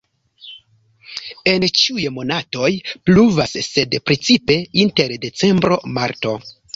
En ĉiuj monatoj pluvas, sed precipe inter decembro-marto.